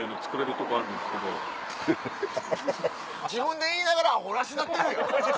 自分で言いながらアホらしなってる。